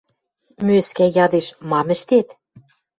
Мӧскӓ ядеш: «Мам ӹштет?»